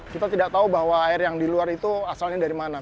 kita tidak tahu bahwa air yang di luar itu asalnya dari mana